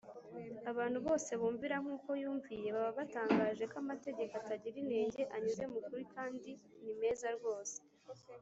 abantu bose bumvira nk’uko yumviye baba batangaje ko amategeko “atagira inenge, anyuze mu kuri kandi ni meza rwose